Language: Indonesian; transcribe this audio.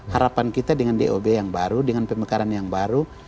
harapan kita dengan dob yang baru dengan pemekaran yang baru